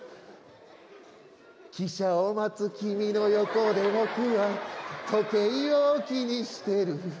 「汽車を待つ君の横でぼくは時計を気にしてる」